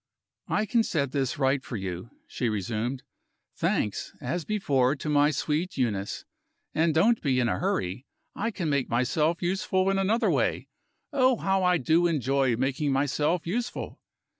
"I can set this right for you," she resumed, "thanks, as before, to my sweet Euneece. And (don't be in a hurry) I can make myself useful in another way. Oh, how I do enjoy making myself useful!